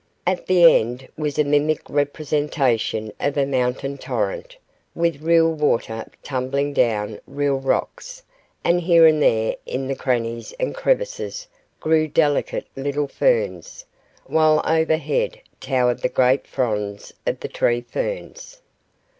At the end was a mimic representation of a mountain torrent, with real water tumbling down real rocks, and here and there in the crannies and crevices grew delicate little ferns, while overhead towered the great fronds of the tree ferns.